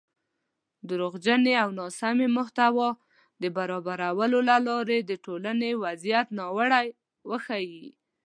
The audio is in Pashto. دروغجنې او ناسمې محتوا د برابرولو له لارې د ټولنۍ وضعیت ناوړه وښيي